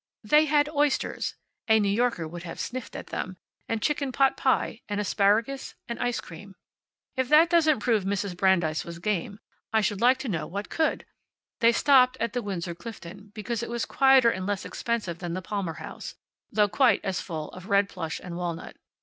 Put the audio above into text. They had oysters (a New Yorker would have sniffed at them), and chicken potpie, and asparagus, and ice cream. If that doesn't prove Mrs. Brandeis was game, I should like to know what could! They stopped at the Windsor Clifton, because it was quieter and less expensive than the Palmer House, though quite as full of red plush and walnut.